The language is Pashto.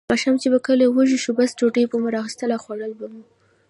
ماښام چې به کله وږي شوو، بس دوی به مو اخیستل او خوړل.